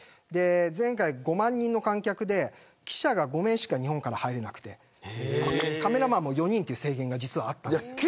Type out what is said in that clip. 前回５万人の観客で記者が５名しか日本から入れなくてカメラマンも４人という制限があったんです。